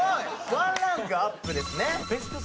１ランクアップですね。